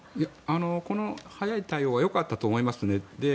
この早い対応はよかったと思いますね。